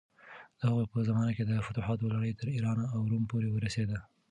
د هغوی په زمانه کې د فتوحاتو لړۍ تر ایران او روم پورې ورسېده.